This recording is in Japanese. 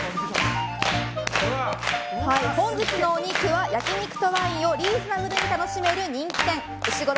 本日のお肉は焼き肉とワインをリーズナブルに楽しめる人気店うしごろ